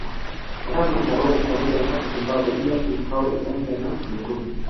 Ghana na Morocco pamoja na Zimbabwe bila kuisahau Zambia na Cameroon